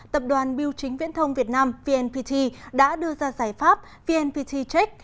tập đoàn biêu chính viễn thông việt nam vnpt đã đưa ra giải pháp vnpt check